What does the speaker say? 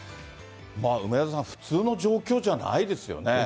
まあ、梅沢さん、普通の状況ではないですよね。